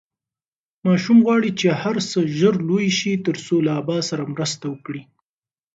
ماشوم غواړي چې هر څه ژر لوی شي ترڅو له ابا سره مرسته وکړي.